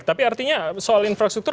tapi artinya soal infrastruktur